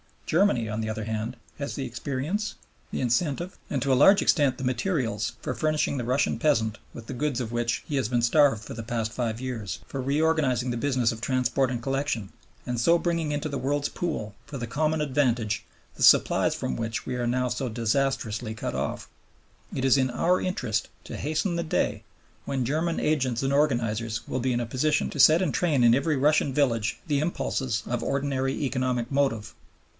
Germany, on the other hand, has the experience, the incentive, and to a large extent the materials for furnishing the Russian peasant with the goods of which he has been starved for the past five years, for reorganizing the business of transport and collection, and so for bringing into the world's pool, for the common advantage, the supplies from which we are now so disastrously cut off. It is in our interest to hasten the day when German agents and organizers will be in a position to set in train in every Russian village the impulses of ordinary economic motive.